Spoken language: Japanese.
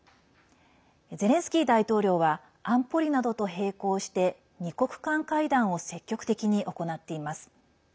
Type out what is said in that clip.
ゼレンスキー大統領は安保理などと並行して２国間会談を積極的に行っています。